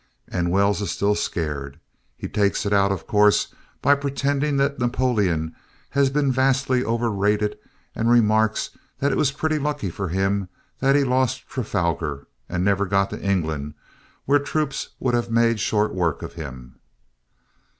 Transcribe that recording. And Wells is still scared. He takes it out, of course, by pretending that Napoleon has been vastly overrated and remarks that it was pretty lucky for him that he lost Trafalgar and never got to England, where troops would have made short work of him.